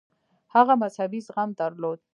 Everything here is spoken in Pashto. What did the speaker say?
هغه مذهبي زغم درلود.